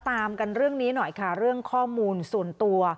ตามกันเรื่องนี้หน่อยค่ะเรื่องข้อมูลส่วนตัว